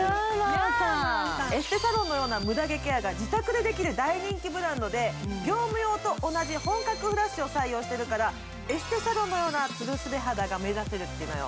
エステサロンのようなムダ毛ケアが自宅でできる大人気ブランドで業務用と同じ本格フラッシュを採用しているから、エステサロンのような、つるすべ肌が目指せるのよ。